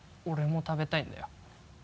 俺も食べたいんだよ。